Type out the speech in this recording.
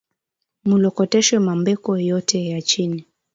Mu lokoteshe ma mbeko yote ya chini